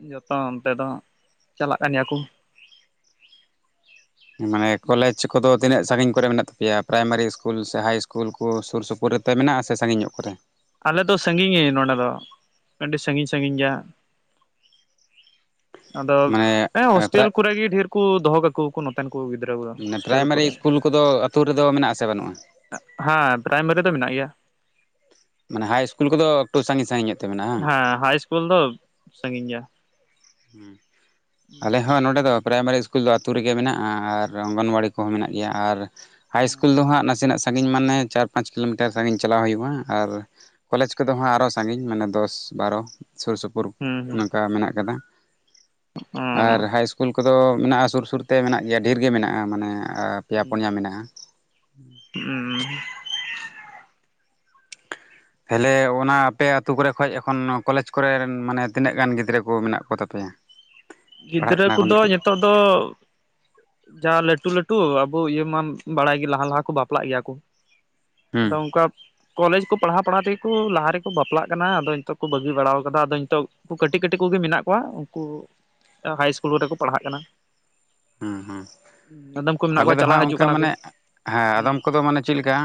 ᱡᱚᱛᱚ ᱚᱱᱛᱮ ᱫᱚ ᱪᱟᱞᱟᱜ ᱠᱟᱱ ᱜᱮᱭᱟ ᱠᱚ ᱢᱟᱱᱮ ᱠᱚᱞᱮᱡᱽ ᱠᱚᱫᱚ ᱛᱤᱱᱟᱹᱜ ᱥᱟᱺᱜᱤᱧ ᱠᱚᱨᱮ ᱢᱮᱱᱟᱜ ᱛᱟᱯᱮᱭᱟ? ᱯᱨᱟᱭᱢᱟᱨᱤ ᱤᱥᱠᱩᱞ ᱥᱮ ᱦᱟᱭ ᱤᱥᱠᱩᱞ ᱠᱚ ᱥᱩᱨ ᱥᱩᱯᱩᱨ ᱨᱮᱛᱮ ᱢᱮᱱᱟᱜ ᱟᱥᱮ ᱥᱟᱺᱜᱤᱧ ᱧᱚᱜ ᱠᱚᱨᱮ ᱟᱞᱮ ᱫᱚ ᱥᱟᱺᱜᱤᱧ [unintelligible] ᱱᱚᱰᱮ ᱫᱚ ᱟᱹᱰᱤ ᱥᱟᱺᱜᱤᱧ ᱥᱟᱺᱜᱤᱧ ᱜᱮᱭᱟ ᱾ ᱟᱫᱚ ᱢᱟᱱᱮ ᱦᱮᱸ ᱦᱳᱥᱴᱮᱞ ᱯᱨᱟᱭ ᱠᱚᱨᱮ ᱜᱮ ᱰᱷᱮᱨ ᱠᱩ ᱫᱚᱦᱚ ᱠᱟᱠᱩ ᱟᱠᱚ ᱱᱚᱛᱮᱱ ᱠᱚ ᱜᱤᱫᱽᱨᱟᱹ ᱢᱟᱱᱮ ᱦᱳᱥᱴᱮᱞ ᱯᱨᱟᱭᱢᱟᱨᱤ ᱠᱚᱨᱮ ᱤᱥᱠᱩᱞ ᱠᱚᱫᱚ ᱟᱛᱳ ᱨᱮᱫᱚ ᱢᱮᱱᱟᱜ ᱟᱥᱮ ᱵᱟᱹᱱᱩᱜᱼᱟ? ᱦᱮᱸ ᱯᱨᱟᱭᱢᱟᱨᱤ ᱫᱚ ᱢᱮᱱᱟᱜ ᱜᱮᱭᱟ ᱾ ᱢᱟᱱᱮ ᱦᱟᱭ ᱤᱥᱩᱞ ᱠᱚᱫᱚ ᱮᱠᱴᱩ ᱥᱟᱺᱜᱤᱧ ᱥᱟᱺᱜᱤᱧ ᱧᱚᱜ ᱛᱮ ᱢᱮᱱᱟᱜᱼᱟ ᱵᱟᱝ? ᱦᱮᱸ ᱦᱟᱭ ᱤᱥᱠᱩᱞ ᱫᱚ ᱥᱟᱺᱜᱤᱧ ᱜᱮᱭᱟ ᱾ ᱦᱩᱸ ᱟᱞᱮ ᱦᱚᱸ ᱱᱚᱸᱰᱮ ᱫᱚ ᱯᱨᱟᱭᱢᱟᱨᱤ ᱠᱩᱞ ᱫᱚ ᱟᱛᱳ ᱨᱮᱜᱮ ᱢᱮᱱᱟᱜᱼᱟ ᱟᱨ ᱚᱝᱜᱚᱱᱣᱟᱲᱤ ᱠᱚᱦᱚᱸ ᱢᱮᱱᱟᱜ ᱜᱮᱭᱟ ᱟᱨ ᱦᱟᱭ ᱤᱥᱠᱩᱞ ᱫᱚ ᱦᱟᱜ ᱱᱟᱥᱮᱱᱟᱜ ᱥᱟᱺᱜᱤᱧ ᱢᱟᱱᱮ ᱪᱟᱨ ᱯᱟᱸᱪ ᱠᱤᱞᱳᱢᱤᱴᱟᱨ ᱥᱟᱺᱜᱤᱧ ᱪᱟᱞᱟᱣ ᱦᱩᱭᱩᱜᱼᱟ ᱟᱨ ᱠᱚᱞᱮᱡᱽ ᱠᱚᱫᱚ ᱦᱟᱜ ᱟᱨᱚ ᱦᱚᱸ ᱥᱟᱺᱜᱤᱧ ᱢᱟᱱᱮ ᱫᱚᱥ ᱵᱟᱨᱚ ᱥᱩᱨ ᱥᱩᱯᱩᱨ ᱦᱩᱸ ᱱᱚᱝᱠᱟ ᱢᱮᱱᱟᱜ ᱠᱟᱫᱟ ᱾ ᱟᱨ ᱦᱩᱸ ᱦᱟᱭ ᱤᱥᱠᱩᱞ ᱠᱚᱫᱚ ᱢᱮᱱᱟᱜᱼᱟ ᱥᱩᱨ ᱥᱩᱨ ᱛᱮ ᱢᱮᱱᱟᱜ ᱜᱮᱭᱟ ᱰᱷᱮᱨ ᱜᱮ ᱢᱮᱱᱟᱜᱼᱟ, ᱢᱟᱱᱮ ᱯᱮᱭᱟ ᱯᱳᱱᱭᱟ ᱢᱮᱱᱟᱜᱼᱟ ᱾ [unintelligible] ᱛᱟᱦᱚᱞᱮ ᱚᱱᱟ ᱟᱯᱮ ᱟᱛᱳ ᱠᱚᱨᱮ ᱠᱷᱚᱡᱽ ᱮᱠᱷᱚᱱ ᱠᱚᱞᱮᱡᱽ ᱠᱚᱨᱮᱱ ᱢᱟᱱᱮ ᱛᱤᱱᱟᱹᱜ ᱜᱟᱱ ᱜᱤᱫᱽᱨᱟᱹ ᱠᱚ ᱢᱮᱱᱟᱜ ᱠᱚ ᱛᱟᱯᱮᱭᱟ? ᱯᱟᱲᱦᱟᱜ ᱜᱤᱫᱽᱨᱟᱹ ᱠᱟᱱᱟ ᱠᱚᱫᱚ ᱡᱚᱛᱚ ᱫᱚ ᱡᱟ ᱞᱟᱹᱴᱩ ᱞᱟᱹᱴᱩ ᱟᱵᱚ ᱤᱭᱟᱹ ᱢᱟᱢ ᱵᱟᱲᱟᱭ ᱜᱮ ᱞᱟᱦᱟ ᱞᱟᱦᱟ ᱠᱚ ᱵᱟᱯᱞᱟᱜ ᱜᱮᱭᱟ ᱠᱚ ᱾ ᱦᱩᱸ ᱟᱫᱚ ᱚᱝᱠᱟ ᱾ ᱠᱚᱞᱮᱡᱽ ᱠᱚ ᱯᱟᱲᱦᱟᱣ ᱯᱟᱲᱦᱟᱣ ᱛᱮᱜᱮ ᱠᱚ ᱞᱟᱦᱟ ᱨᱮᱠᱚ ᱵᱟᱯᱞᱟᱜ ᱠᱟᱱᱟ, ᱟᱫᱚ ᱱᱤᱛᱚᱜ ᱠᱚ ᱵᱟᱹᱜᱤ ᱵᱟᱲᱟ ᱠᱟᱫᱟ᱾ ᱟᱫᱚ ᱱᱤᱛᱚᱜ ᱠᱟᱹᱴᱤᱡ ᱠᱟᱹᱴᱤᱡ ᱠᱚᱜᱮ ᱢᱮᱱᱟᱜ ᱠᱚᱣᱟ ᱩᱝᱠᱩ ᱦᱟᱭ ᱤᱥᱠᱩᱞ ᱠᱚᱨᱮ ᱠᱚ ᱯᱟᱲᱦᱟᱜ ᱠᱟᱱᱟ᱾ ᱦᱩ ᱦᱩ᱾ ᱟᱫᱚᱢ ᱠᱚ ᱢᱮᱱᱟᱜ ᱟᱞᱮ ᱠᱚᱣᱟ ᱫᱚ ᱪᱟᱞᱟᱣ ᱦᱟᱸᱜ ᱦᱤᱡᱩᱜ ᱚᱱᱠᱟ ᱠᱟᱱᱟ ᱠᱚ ᱢᱟᱱᱮ ᱦᱮᱸ ᱦᱩᱸ ᱟᱫᱚᱢ ᱠᱚᱫᱚ ᱢᱟᱱᱮ ᱪᱮᱫ ᱞᱮᱠᱟ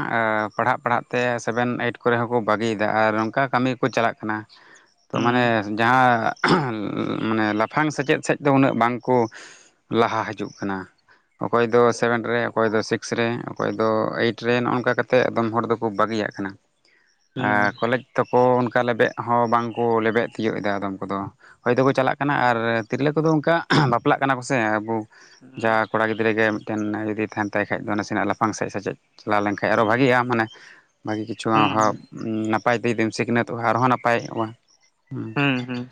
ᱯᱟᱲᱦᱟᱜ ᱯᱟᱲᱦᱟᱜ ᱛᱮ ᱥᱮᱵᱷᱮᱱ, ᱟᱭᱤᱴ ᱠᱚᱨᱮ ᱦᱚᱠᱚ ᱵᱟᱹᱜᱤ ᱫᱟ ᱟᱨ ᱚᱝᱠᱟ ᱠᱟᱹᱢᱤ ᱠᱚ ᱪᱟᱞᱟᱜ ᱠᱟᱱᱟ᱾ ᱦᱩᱸ ᱢᱟᱱᱮ ᱡᱟᱦᱟ ᱢᱟᱱᱮ ᱞᱟᱯᱷᱟᱝ ᱥᱮᱪᱮᱡ ᱥᱮᱡ ᱫᱚ ᱩᱱᱟᱹᱜ ᱵᱟᱝᱠᱚ ᱞᱟᱦᱟ ᱦᱤᱡᱩᱜ ᱠᱟᱱᱟ᱾ ᱚᱠᱚᱭ ᱫᱚ ᱦᱩᱸ ᱥᱮᱵᱷᱮᱱ ᱨᱮ ᱚᱠᱚᱭ ᱫᱚ ᱥᱤᱠᱥ ᱨᱮ ᱚᱠᱚᱭ ᱫᱚ ᱟᱭᱤᱴ ᱨᱮ ᱱᱚᱜ-ᱚ ᱱᱚᱝᱠᱟ ᱠᱟᱛᱮᱜ ᱟᱫᱚᱢ ᱦᱚᱲ ᱫᱚᱠᱚ ᱵᱟᱹᱜᱤᱭᱟᱜ ᱠᱟᱱᱟ᱾ ᱟ ᱦᱩᱸ ᱠᱚᱞᱮᱡᱽ ᱛᱚᱠᱚ ᱚᱱᱠᱟ ᱞᱮᱵᱮᱜ ᱦᱚᱸ ᱵᱟᱝᱠᱚ ᱞᱮᱵᱮᱜ ᱛᱤᱭᱳᱜ ᱮᱫᱟ ᱟᱫᱚᱢ ᱠᱚᱫᱚ᱾ᱦᱚᱭ ᱛᱚᱠᱚ ᱪᱟᱞᱟᱜ ᱠᱟᱱᱟ ᱟᱨ ᱛᱤᱨᱞᱟᱹ ᱠᱚᱫᱚ ᱚᱝᱠᱟ ᱵᱟᱯᱞᱟᱜ ᱠᱟᱱᱟ ᱠᱚ ᱥᱮ ᱟᱵᱚ ᱡᱟ ᱠᱚᱲᱟ ᱜᱤᱫᱽᱨᱟᱹ ᱜᱮ ᱢᱤᱫᱴᱮᱱ ᱡᱩᱫᱤ ᱛᱟᱦᱮᱱ ᱛᱟᱭ ᱠᱷᱟᱡ ᱫᱚ ᱱᱟᱥᱮᱱᱟᱜ ᱞᱟᱯᱷᱟᱝ ᱥᱮ- ᱥᱮᱪᱮᱫ ᱪᱟᱞᱟᱣ ᱞᱮᱱᱠᱟᱱ ᱟᱨᱚ ᱵᱷᱟᱜᱤᱜᱼᱟ ᱢᱟᱱᱮ ᱵᱷᱟᱹᱜᱤ ᱠᱤᱪᱷᱩ ᱦᱩᱸ [unintelligible] ᱱᱟᱯᱟᱭ ᱛᱮ ᱡᱤᱫᱤᱢ ᱥᱤᱠᱷᱱᱟᱹᱛᱚᱜᱼᱟ ᱟᱨᱦᱚᱸ ᱱᱟᱯᱟᱭᱚᱜᱼᱟ᱾ ᱦᱩᱸ ᱦᱩᱸ ᱦᱩᱸ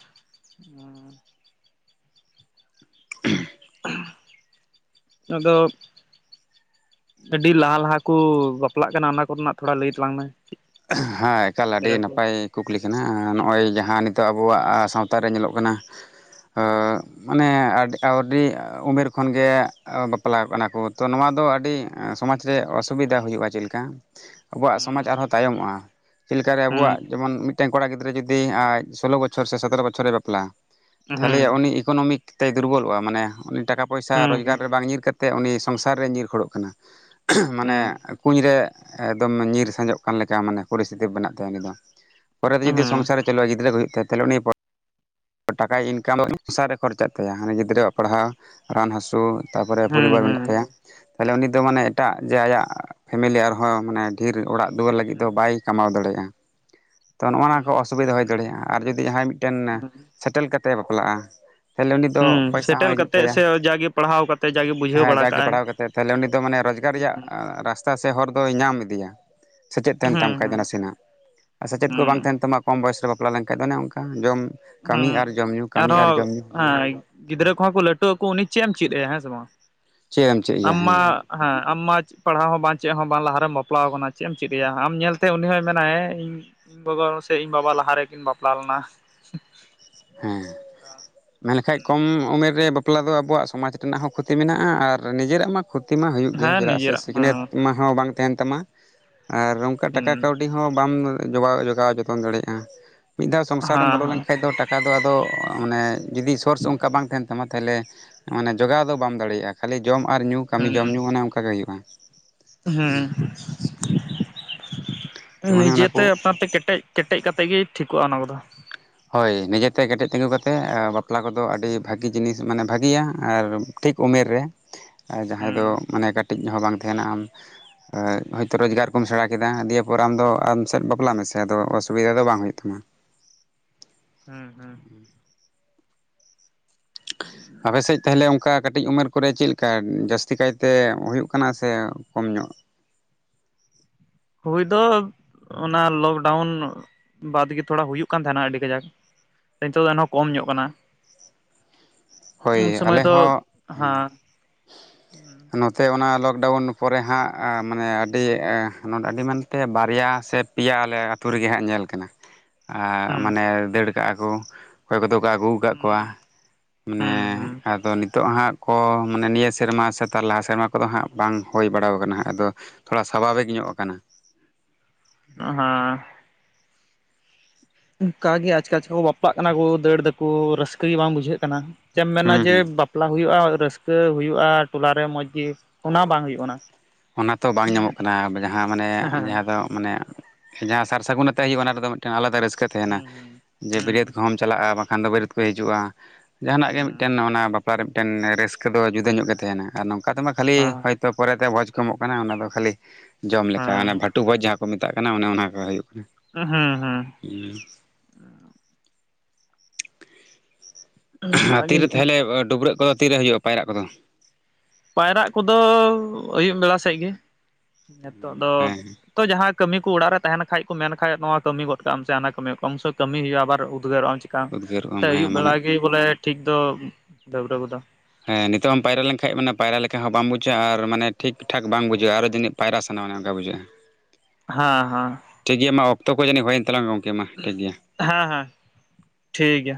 ᱟᱫᱚ ᱟᱹᱰᱤ ᱞᱟᱦᱟ ᱞᱟᱦᱟ ᱠᱳ ᱵᱟᱯᱞᱟᱜ ᱠᱟᱱᱟ᱾ ᱚᱱᱟ ᱠᱚᱨᱮᱱᱟᱜ ᱛᱷᱚᱲᱟ ᱞᱟᱹᱭ ᱛᱟᱞᱟᱝ ᱢᱮ ᱦᱮᱸ ᱮᱠᱟᱞ ᱟᱹᱰᱤ ᱜᱤᱫᱽᱨᱟᱹ ᱠᱚ ᱱᱟᱯᱟᱭ ᱠᱩᱠᱞᱤ ᱠᱟᱱᱟ ᱱᱚᱜᱼᱚᱭ ᱦᱩᱸ ᱡᱟᱦᱟᱸ ᱱᱤᱛᱚᱜ ᱟᱵᱚᱣᱟᱜ ᱥᱟᱶᱛᱟ ᱨᱮ ᱧᱮᱞᱚᱜ ᱠᱟᱱᱟ ᱢᱟᱱᱮ ᱟᱹᱰᱤ ᱩᱢᱮᱨ ᱠᱷᱚᱱ ᱜᱮ ᱵᱟᱯᱞᱟᱜ ᱠᱟᱱᱟ ᱠᱚ ᱛᱚ, ᱱᱚᱣᱟ ᱫᱚ ᱟᱹᱰᱤ ᱥᱚᱢᱟᱡᱽ ᱨᱮ ᱚᱥᱩᱵᱤᱫᱷᱟ ᱦᱳᱭᱳᱜᱼᱟ᱾ ᱪᱮᱫ ᱞᱮᱠᱟ? ᱟᱵᱚᱣᱟᱜ ᱥᱚᱢᱟᱡᱽ ᱦᱩᱸ ᱟᱨᱦᱚᱸ ᱛᱟᱭᱚᱢᱚᱜᱼᱟ᱾ ᱪᱮᱫ ᱞᱮᱠᱟᱨᱮ ᱦᱩᱸ ᱟᱵᱚᱣᱟᱜ ᱡᱮᱢᱚᱱ ᱢᱤᱫᱴᱮᱱ ᱠᱚᱲᱟ ᱜᱤᱫᱽᱨᱟᱹ ᱡᱩᱫᱤ ᱟᱡ ᱥᱳᱞᱳ ᱵᱚᱪᱷᱚᱨ ᱥᱮ ᱥᱟᱛᱨᱚ ᱵᱚᱪᱷᱚᱨ ᱨᱮ ᱵᱟᱯᱞᱟ ᱛᱟᱦᱚᱞᱮ ᱦᱩᱸ ᱩᱱᱤ ᱤᱠᱳᱱᱚᱢᱤᱠ ᱛᱮᱭ ᱫᱩᱨᱵᱚᱞᱚᱜᱼᱟ᱾ᱢᱟᱱᱮ ᱩᱱᱤ ᱴᱟᱠᱟ ᱯᱚᱭᱥᱟ ᱦᱩᱸ ᱨᱳᱡᱜᱟᱨ ᱨᱮ ᱵᱟᱝ ᱧᱤᱨ ᱛᱮ ᱩᱱᱤ ᱥᱚᱝᱥᱟᱨ ᱨᱮ ᱧᱤᱨ ᱠᱷᱚᱲᱚᱜ ᱠᱟᱱᱟ᱾ ᱢᱟᱱᱮ ᱠᱩᱧ ᱨᱮ ᱮᱠᱫᱚᱢ ᱧᱤᱨ ᱥᱟᱸᱡᱚᱜ ᱚᱱᱠᱟ ᱞᱮᱠᱟ ᱢᱟᱱᱮ ᱯᱚᱨᱤᱥᱛᱤᱛᱤ ᱵᱮᱱᱟᱜ ᱛᱟᱭᱟ ᱩᱱᱤ ᱫᱚ, ᱯᱚᱨᱮ ᱛᱮ ᱡᱩᱫᱤ ᱦᱩᱸ ᱥᱚᱝᱥᱟᱨᱮ ᱪᱟᱞᱩᱜᱼᱟ ᱜᱤᱫᱽᱨᱟᱹ ᱠᱚ ᱦᱩᱭᱩᱜ ᱛᱟᱭᱟ ᱴᱟᱠᱟᱭ ᱤᱱᱠᱟᱢ [inaudible] ᱠᱷᱚᱨᱪᱟᱜ ᱛᱟᱭᱟ ᱦᱟᱱᱮ ᱜᱤᱫᱽᱨᱟᱹᱣᱟᱜ ᱯᱟᱲᱦᱟᱣ ᱨᱟᱱ ᱦᱟᱹᱥᱳ ᱛᱟᱯᱚᱨᱮ ᱦᱩᱸ ᱯᱚᱨᱤᱵᱟᱨ ᱢᱮᱱᱟᱜ ᱛᱟᱭᱟ᱾ ᱛᱟᱦᱚᱞᱮ ᱩᱱᱤ ᱫᱚ ᱢᱟᱱᱮ ᱮᱴᱟᱜ ᱡᱮ ᱟᱭᱟᱜ ᱯᱷᱮᱢᱮᱞᱤ ᱟᱨᱦᱚᱸ ᱢᱟᱱᱮ ᱰᱷᱮᱨ ᱚᱲᱟᱜ ᱫᱩᱣᱟᱹᱨ ᱞᱟᱹᱜᱤᱜ ᱫᱚ ᱵᱟᱭ ᱠᱟᱢᱟᱣ ᱫᱟᱲᱮᱭᱟᱜᱼᱟ᱾ ᱛᱚ ᱱᱚᱣᱟ ᱦᱩᱸ ᱠᱚ ᱚᱥᱩᱵᱤᱫᱟ ᱦᱳᱭ ᱫᱟᱲᱮᱭᱟᱜᱼᱟ, ᱟᱨ ᱡᱩᱫᱤ ᱡᱟᱦᱟᱭ ᱢᱤᱫᱴᱮᱱ ᱥᱮᱴᱮᱞ ᱠᱟᱛᱮᱜ ᱮ ᱵᱟᱯᱞᱟᱜᱼᱟ ᱛᱟᱦᱚᱞᱮ ᱩᱱᱤ ᱫᱚ ᱦᱩᱸ ᱯᱚᱭᱥᱟ ᱦᱚᱸ ᱥᱮᱴᱮᱞ ᱦᱤᱡᱩᱜ ᱠᱟᱛᱮᱜ ᱛᱟᱭᱟ᱾ ᱥᱮ ᱡᱟᱜᱮ ᱯᱟᱲᱦᱟᱣ ᱠᱟᱛᱮᱜ ᱡᱟᱜᱮ ᱵᱩᱡᱷᱟᱹᱣ ᱦᱮᱸ ᱵᱟᱲᱟ ᱡᱟᱜᱮ ᱠᱟᱜ ᱟᱭ ᱯᱟᱲᱦᱟᱣ ᱠᱟᱛᱮᱫ ᱛᱟᱦᱚᱞᱮ ᱩᱱᱤ ᱫᱚ ᱢᱟᱱᱮ ᱨᱚᱡᱽᱜᱟᱨ ᱨᱮᱭᱟᱜ ᱨᱟᱥᱛᱟ ᱥᱮ ᱦᱚᱨ ᱫᱚᱭ ᱧᱟᱢ ᱤᱫᱤᱭᱟ᱾ ᱥᱮᱪᱮᱫ ᱛᱟᱦᱮᱱ ᱛᱟᱢ ᱦᱩᱸ ᱠᱷᱟᱡ ᱫᱚ ᱦᱩᱸ ᱱᱟᱥᱮᱱᱟᱜ ᱟᱨ ᱥᱮᱪᱮᱫ ᱠᱚ ᱵᱟᱝ ᱦᱩᱸ ᱛᱟᱦᱮᱱ ᱛᱟᱢᱟ ᱠᱚᱢ ᱵᱚᱭᱮᱥ ᱨᱮ ᱵᱟᱯᱞᱟ ᱞᱮᱱᱠᱷᱟᱡ ᱫᱚ ᱚᱱᱮ ᱚᱱᱠᱟ ᱡᱚᱢ ᱠᱟᱹᱢᱤ ᱟᱨ ᱦᱩᱸ ᱡᱚᱢ ᱧᱩ ᱠᱟᱹᱢᱤ ᱟᱨ ᱡᱚᱢ ᱟᱨᱦᱚᱸ ᱧᱩ ᱦᱩᱭᱩᱜᱼᱟ [unintelligible] ᱜᱤᱫᱽᱨᱟᱹ ᱠᱚᱦᱚᱸ ᱠᱚ ᱞᱟᱹᱴᱩ ᱟᱠᱚ ᱩᱱᱤ ᱪᱮᱫ ᱮᱢ ᱪᱮᱫ ᱟᱭᱟ, ᱦᱮᱸ ᱥᱮ ᱵᱟᱝ? ᱪᱮᱫ ᱮᱢ ᱪᱮᱫ ᱮᱭᱟ ᱟᱢ ᱢᱟ ᱦᱮᱸ ᱦᱮᱸ ᱟᱢ ᱢᱟ ᱯᱟᱲᱦᱟᱣ ᱦᱚᱸ ᱵᱟᱝ ᱪᱮᱫ ᱦᱚᱸ ᱵᱟᱝ ᱞᱟᱦᱟᱨ ᱨᱮᱢ ᱵᱟᱯᱞᱟ ᱟᱠᱟᱱᱟ᱾ᱪᱮᱫ ᱮᱢ ᱪᱮᱫᱮᱭᱟ? ᱟᱢ ᱧᱮᱞᱛᱮ ᱩᱱᱤ ᱦᱚᱸᱭ ᱢᱮᱱᱟᱭ᱾ ᱤᱧ ᱤᱧ ᱜᱚᱜᱚ ᱥᱮ ᱤᱧ ᱵᱟᱵᱟ ᱞᱟᱦᱟ ᱨᱮᱠᱤᱱ ᱵᱟᱯᱞᱟ ᱞᱮᱱᱟ᱾ [unintelligible] ᱦᱮᱸ᱾ᱢᱮᱱ ᱞᱮᱠᱷᱟ ᱠᱚᱢ ᱩᱢᱮᱨ ᱨᱮ ᱵᱟᱯᱞᱟ ᱫᱚ ᱟᱵᱚᱣᱟᱜ ᱥᱚᱢᱟᱡᱽ ᱨᱮᱱᱟᱜ ᱦᱚᱸ ᱠᱷᱚᱛᱤ ᱢᱮᱱᱟᱜᱼᱟ᱾ ᱟᱨ ᱱᱤᱡᱮᱨᱟᱜ ᱢᱟ ᱠᱷᱚᱛᱤ ᱢᱟ ᱦᱩᱭᱩᱜ ᱜᱮ᱾ ᱦᱮᱸ ᱪᱮᱫᱟᱜ ᱥᱮ ᱱᱤᱡᱮᱨᱟᱜ ᱥᱤᱠᱷᱱᱟᱹᱛ ᱦᱮᱸ ᱢᱟ ᱦᱚᱸ ᱵᱟᱝ ᱛᱟᱦᱮᱱ ᱛᱟᱢᱟ ᱟᱨ ᱚᱱᱠᱟ ᱴᱟᱠᱟ ᱠᱟᱹᱣᱰᱤ ᱠᱟᱹᱴᱤᱡ ᱦᱚᱸ ᱵᱟᱢ ᱡᱚᱜᱟᱣ, ᱡᱚᱜᱟᱣ ᱡᱚᱛᱚᱱ ᱫᱟᱲᱮᱭᱟᱜᱼᱟ᱾ ᱢᱤᱫ ᱫᱷᱟᱣ ᱥᱚᱝᱥᱟᱨ ᱨᱮᱢ ᱵᱚᱞᱚ ᱦᱮᱸ ᱞᱮᱱᱠᱷᱟᱱ ᱫᱚ ᱴᱟᱠᱟ ᱚᱱᱠᱟ ᱫᱚ ᱟᱫᱚ ᱢᱟᱱᱮ ᱡᱩᱫᱤ ᱥᱳᱨᱥ ᱚᱱᱠᱟ ᱵᱟᱝ ᱛᱟᱦᱮᱱ ᱛᱟᱢᱟ᱾ ᱛᱟᱦᱚᱞᱮ ᱢᱟᱱᱮ ᱡᱚᱜᱟᱣ ᱫᱚ ᱵᱟᱢ ᱫᱟᱲᱮᱭᱟᱜᱼᱟ᱾ ᱠᱷᱟᱹᱞᱤ ᱡᱚᱢ ᱟᱨ ᱧᱩ ᱠᱟᱹᱢᱤ ᱦᱮᱸ ᱡᱚᱢ ᱧᱩ ᱚᱱᱮ ᱚᱱᱠᱟ ᱜᱮ ᱦᱩᱭᱩᱜᱼᱟ᱾ ᱦᱩᱸ ᱛᱚ ᱚᱱᱮ ᱚᱱᱟ ᱱᱤᱡᱮᱛᱮ ᱠᱚ ᱟᱯᱱᱟᱨ ᱛᱮ ᱠᱮᱸᱴᱮᱡ ᱠᱮᱸᱴᱮᱡ ᱠᱟᱛᱮ ᱜᱮ ᱴᱷᱤᱠᱚᱜᱼᱟ, ᱚᱱᱟ ᱠᱚᱫᱚ᱾ ᱦᱳᱭ᱾ ᱱᱤᱡᱮᱛᱮ ᱠᱮᱸᱴᱮᱡ ᱛᱤᱸᱜᱩ ᱠᱟᱛᱮᱫ ᱵᱟᱯᱞᱟ ᱠᱚᱫᱚ ᱟᱹᱰᱤ ᱵᱷᱟᱹᱜᱤ ᱡᱤᱱᱤᱥ ᱢᱟᱱᱮ ᱵᱷᱟᱜᱤᱭᱟ ᱟᱨ ᱠᱟᱹᱴᱤᱡ ᱩᱢᱮᱨ ᱨᱮ ᱡᱟᱦᱟᱸᱭ ᱦᱩᱸ ᱫᱚ ᱢᱟᱱᱮ ᱠᱟᱹᱴᱤᱡ ᱦᱚᱸ ᱵᱟᱝ ᱛᱟᱦᱮᱱᱟ ᱟᱢ ᱦᱚᱭᱛᱳ ᱨᱚᱡᱽᱜᱟᱨ ᱠᱚᱢ ᱥᱮᱬᱟ ᱠᱮᱫᱟ᱾ ᱫᱤᱭᱮ ᱯᱚᱨ ᱟᱢᱫᱚ ᱟᱢ ᱥᱮᱫ ᱵᱟᱯᱞᱟ ᱢᱮᱥᱮ ᱟᱫᱚ ᱚᱥᱩᱵᱤᱫᱟ ᱫᱚ ᱵᱟᱝ ᱦᱩᱭᱩᱜ ᱛᱟᱢᱟ᱾ ᱦᱩᱸ ᱦᱩᱸ [unintelligible] ᱟᱯᱮ ᱥᱮᱫ ᱛᱟᱦᱚᱞᱮ ᱚᱱᱠᱟ ᱚᱱᱠᱟ ᱠᱟᱹᱴᱤᱡ ᱩᱢᱮᱨ ᱠᱚᱨᱮ ᱪᱮᱫ ᱞᱮᱠᱟ ᱡᱟᱹᱥᱛᱤ ᱠᱟᱭᱛᱮ ᱦᱩᱭᱩᱜ ᱠᱟᱱᱟ ᱥᱮ ᱠᱚᱢ ᱧᱚᱜ? ᱦᱩᱭ ᱫᱚ ᱚᱱᱟ ᱞᱚᱠᱰᱟᱣᱩᱱ ᱵᱟᱫ ᱜᱮ ᱛᱷᱚᱲᱟ ᱦᱩᱭᱩᱜ ᱠᱟᱱ ᱛᱟᱦᱮᱱᱟ᱾ ᱟᱹᱰᱤ ᱠᱟᱡᱟᱠ ᱱᱤᱛᱚᱜ ᱫᱚ ᱮᱱᱦᱚᱸ ᱠᱚᱢ ᱧᱚᱜ ᱠᱟᱱᱟ᱾ ᱩᱱ ᱦᱳᱭ ᱥᱚᱢᱚᱭ ᱟᱞᱮ ᱫᱚ ᱦᱚᱸ ᱦᱮᱸ ᱱᱚᱛᱮ ᱚᱱᱟ ᱞᱚᱠᱰᱟᱣᱩᱱ ᱯᱚᱨᱮ ᱦᱟᱸᱜ ᱢᱟᱱᱮ ᱟᱹᱰᱤ ᱟᱹᱰᱤ ᱢᱮᱱᱛᱮ ᱵᱟᱨᱭᱟ ᱥᱮ ᱯᱮᱭᱟ ᱟᱞᱮ ᱟᱹᱛᱩ ᱨᱮᱜᱮ ᱦᱟᱸᱜ ᱧᱮᱞ ᱠᱟᱱᱟ᱾ ᱟᱨ ᱦᱩᱸ ᱢᱟᱱᱮ ᱫᱟᱹᱲ ᱠᱟᱜᱼᱟ ᱠᱚ ᱚᱠᱚᱭ ᱠᱚᱫᱚ ᱠᱚ ᱟᱹᱜᱩ ᱟᱠᱟᱫ ᱦᱩᱸ ᱠᱚᱣᱟ᱾ ᱢᱟᱱᱮ ᱦᱩᱸ ᱦᱮᱸ ᱟᱫᱚ ᱱᱤᱛᱚᱜ ᱦᱟᱸᱜ ᱠᱚ ᱢᱟᱱᱮ ᱱᱤᱭᱟᱹ ᱥᱮᱨᱢᱟ ᱥᱮ ᱞᱟᱦᱟ ᱥᱮᱨᱢᱟ ᱠᱚᱫᱚ ᱦᱟᱸᱜ ᱵᱟᱝ ᱦᱩᱭ ᱵᱟᱲᱟᱣ ᱟᱠᱟᱱᱟ ᱦᱟᱜ᱾ ᱟᱫᱚ ᱛᱷᱚᱲᱟ ᱥᱟᱵᱷᱟᱵᱤᱠ ᱧᱚᱜ ᱟᱠᱟᱱᱟ᱾ [unintelligible] ᱚᱱᱠᱟ ᱜᱮ ᱟᱪᱠᱟ ᱟᱪᱠᱟ ᱜᱮᱠᱚ ᱵᱟᱯᱟᱜ ᱠᱟᱱᱟ ᱠᱚ ᱫᱟᱹᱲ ᱫᱟᱠᱚ ᱨᱟᱹᱥᱠᱟᱹ ᱜᱮ ᱵᱟᱝ ᱵᱩᱡᱷᱟᱹᱜ ᱠᱟᱱᱟ᱾ ᱪᱮᱢ ᱢᱮᱱᱟ ᱦᱩᱸ ᱡᱮ ᱦᱩᱸ ᱵᱟᱯᱞᱟ ᱦᱩᱭᱩᱜᱼᱟ᱾ ᱨᱟᱹᱥᱠᱟᱹ ᱦᱩᱭᱩᱜᱼᱟ᱾ ᱴᱚᱞᱟᱨᱮ ᱢᱚᱡᱽ ᱜᱮ ᱚᱱᱟ ᱵᱟᱝ ᱦᱩᱭᱩᱜ ᱠᱟᱱᱟ᱾ ᱚᱱᱟ ᱛᱚ ᱵᱟᱝ ᱧᱟᱢᱚᱜ ᱠᱟᱱᱟ ᱡᱟᱦᱟᱸ ᱢᱟᱱᱮ ᱦᱮᱸ ᱡᱟᱦᱟᱸ ᱫᱚ ᱛᱚ ᱢᱟᱱᱮ ᱡᱟᱦᱟᱸ ᱥᱟᱨ ᱥᱟᱹᱜᱩᱱ ᱟᱛᱮᱜ ᱦᱩᱭᱩᱜᱼᱟ᱾ ᱚᱱᱟ ᱨᱮᱫᱚ ᱢᱤᱫᱴᱮᱱ ᱟᱞᱟᱫᱟ ᱨᱟᱹᱥᱠᱟᱹ ᱛᱟᱦᱮᱱᱟ᱾ ᱦᱩᱸ ᱦᱩᱸ ᱡᱮ ᱦᱩᱸ ᱵᱟᱹᱨᱭᱟᱹᱛ ᱠᱚᱦᱚᱢ ᱪᱟᱞᱟᱜᱼᱟ ᱵᱟᱝᱠᱷᱟᱱ ᱫᱚ ᱵᱟᱹᱨᱭᱟᱹᱛ ᱠᱚ ᱦᱤᱡᱩᱜᱼᱟ᱾ ᱡᱟᱦᱟᱱᱟᱜ ᱜᱮ ᱢᱤᱫᱴᱮᱱ ᱚᱱᱟ [unintelligible] ᱵᱟᱯᱞᱟ ᱨᱮ ᱢᱤᱫᱴᱮᱱ ᱨᱟᱹᱥᱠᱟᱹ ᱫᱚ ᱡᱩᱫᱟᱹ ᱧᱚᱜ ᱜᱮ ᱛᱟᱦᱮᱱᱟ ᱟᱨ ᱱᱚᱝᱠᱟ ᱛᱮᱢᱟ ᱦᱩᱸ ᱠᱷᱟᱹᱞᱤ ᱦᱳᱭᱛᱳ ᱯᱚᱨᱛᱮ ᱵᱷᱚᱡᱽ ᱠᱚᱢᱚᱜ ᱠᱟᱱᱟ, ᱚᱱᱟ ᱫᱚ ᱠᱷᱟᱹᱞᱤ ᱡᱚᱢ ᱞᱮᱠᱟ ᱦᱮᱸ ᱵᱷᱟᱴᱩ ᱵᱷᱚᱡᱽ ᱡᱟᱦᱟᱸ ᱠᱚ ᱢᱮᱛᱟᱜ ᱠᱟᱱᱟ᱾ ᱚᱱᱮ ᱚᱱᱟ ᱠᱚ ᱦᱩᱭᱩᱜ ᱠᱟᱱᱟ᱾ ᱦᱮᱸ ᱦᱩᱸ ᱦᱮᱸᱻ ᱟᱨ ᱚᱱᱠᱟᱜᱮ ᱛᱤᱨᱮ ᱦᱩᱭᱩᱜ ᱠᱟᱱᱟ ᱛᱟᱦᱚᱞᱮ ᱱᱤᱛᱚᱜ ᱰᱟᱹᱵᱽᱨᱟᱹᱜ ᱠᱚᱫᱚ ᱛᱤᱨᱮ ᱦᱩᱭᱩᱜᱼᱟ ᱯᱟᱭᱨᱟᱜ ᱠᱚᱫᱚ᱾ ᱯᱟᱭᱨᱟᱜ ᱠᱚᱫᱚ ᱟᱹᱭᱩᱵ ᱵᱮᱲᱟ ᱥᱮᱫ ᱜᱮ᱾ ᱱᱤᱛᱚᱜ ᱫᱚ ᱦᱮᱸ ᱛᱚ ᱡᱟᱦᱟᱸ ᱠᱟᱹᱢᱤ ᱠᱚ ᱚᱲᱟᱜ ᱨᱮ ᱛᱟᱦᱮᱱ ᱠᱷᱟᱡ ᱠᱚ ᱢᱮᱱ ᱠᱷᱟᱡ ᱱᱚᱣᱟ ᱠᱟᱹᱢᱤ ᱜᱚᱫ ᱠᱟᱜ-ᱟᱢ ᱥᱮ ᱦᱟᱱᱟ ᱠᱟᱹᱢᱤ ᱜᱚᱜ ᱠᱟᱜ-ᱟᱢ ᱩᱱ ᱥᱚᱢᱚᱭ ᱠᱟᱹᱢᱤ ᱦᱩᱭᱩᱜᱼᱟ᱾ ᱟᱵᱟᱨ ᱩᱫᱽᱜᱟᱹᱨᱚᱜᱼᱟᱢ ᱩᱫᱽᱜᱟᱹᱨᱚᱜ ᱱᱚᱛᱮ ᱟᱢ ᱦᱮᱸ ᱟᱹᱭᱩᱵ ᱢᱟᱱᱮ ᱵᱮᱲᱟ ᱜᱮ ᱵᱚᱞᱮ ᱴᱷᱤᱠ ᱫᱚ ᱰᱟᱹᱵᱽᱨᱟᱹ ᱠᱚᱫᱚ ᱦᱮᱸ ᱱᱤᱛᱚᱜ ᱦᱚᱸᱢ ᱯᱟᱭᱨᱟ ᱞᱮᱱᱠᱷᱟᱡ ᱢᱟᱱᱮ ᱯᱟᱭᱨᱟ ᱞᱮᱠᱟ ᱦᱚᱸ ᱵᱟᱢ ᱵᱩᱡᱷᱟᱹᱣᱼᱟ ᱟᱨ ᱢᱟᱱᱮ ᱴᱷᱤᱠ ᱴᱷᱟᱠ ᱵᱟᱝ ᱵᱩᱡᱷᱟᱹᱜᱼᱟ ᱟᱨᱚ ᱡᱟᱹᱱᱤᱡ ᱯᱟᱭᱨᱟ ᱥᱟᱱᱟ ᱚᱱᱮ ᱚᱱᱠᱟ ᱵᱩᱡᱷᱟᱹᱜᱼᱟ᱾ ᱦᱮᱸ ᱦᱮᱸ ᱴᱷᱤᱠ ᱜᱮᱭᱟ ᱢᱟ ᱚᱠᱛᱚ ᱠᱚ ᱡᱟᱹᱱᱤᱡ ᱦᱩᱭᱮᱱ ᱛᱟᱞᱟᱝᱟ ᱜᱚᱢᱠᱮ ᱢᱟ ᱴᱷᱤᱠ ᱜᱮᱭᱟ᱾ ᱦᱮᱸ ᱦᱮᱸ ᱴᱷᱤᱠ ᱜᱮᱭᱟ᱾